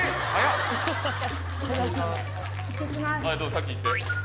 先行って。